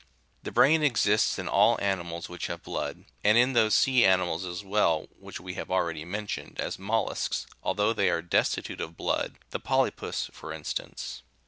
The brain exists in all animals which have blood, and in those sea animals as well, which we have already mentioned as mollusks, although they are destitute of blood, the poly pus, for instance.